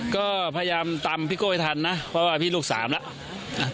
ก็พยายามตามพี่โก้ให้ทันนะเพราะว่าพี่ลูกสามแล้ว